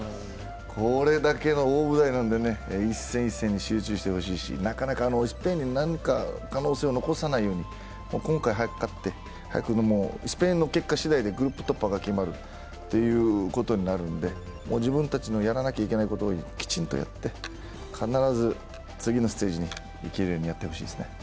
これだけの大舞台なので１戦１戦に集中してほしいしスペインに何か可能性を残さないように、今回早く勝って、スペインの結果しだいでグループ突破が決まることになるので、自分たちのやらなきゃいけないことを、きちんとやって、必ず次のステージに行けるようになってほしいですね。